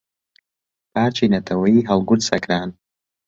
پارکی نەتەوەییی هەڵگورد سەکران